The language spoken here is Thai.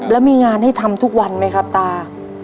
แล้วมีงานให้ทำทุกวันไหมครับตา